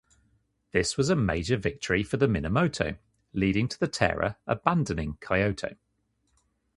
This was a major victory for the Minamoto, leading to the Taira abandoning Kyoto.